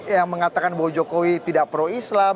yang mengatakan bahwa jokowi tidak pro islam